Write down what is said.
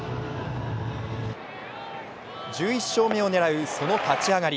１１勝目を狙うその立ち上がり。